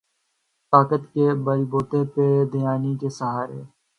طاقت کے بل بوتے پہ یا دانائی کے سہارے۔